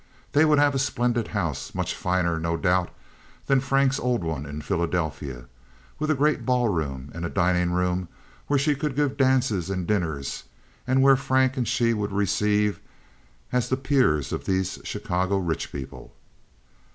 They would have a splendid house, much finer, no doubt, than Frank's old one in Philadelphia, with a great ball room and dining room where she could give dances and dinners, and where Frank and she would receive as the peers of these Chicago rich people.